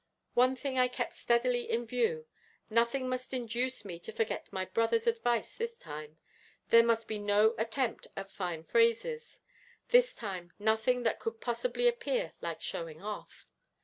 One thing I kept steadily in view; nothing must induce me to forget my brother's advice this time; there must be no attempt at fine phrases, this time nothing that could possibly appear like showing off....